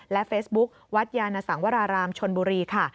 เฟซบุ๊ควัดยานสังวรารามชนบุรีค่ะ